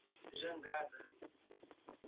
Jangada